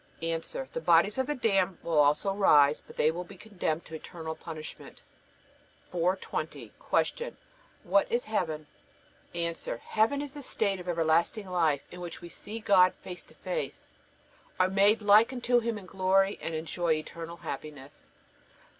A. The bodies of the damned will also rise, but they will be condemned to eternal punishment. 420. Q. What is Heaven? A. Heaven is the state of everlasting life in which we see God face to face, are made like unto Him in glory, and enjoy eternal happiness.